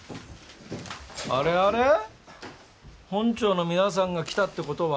あれあれ本庁の皆さんが来たってことは。